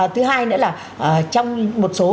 thứ hai nữa là trong một số